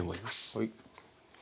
はい。